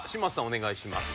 お願いします。